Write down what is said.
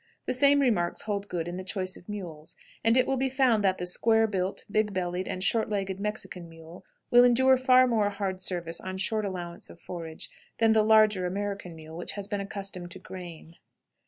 The same remarks hold good in the choice of mules; and it will be found that the square built, big bellied, and short legged Mexican mule will endure far more hard service, on short allowance of forage, than the larger American mule which has been accustomed to grain.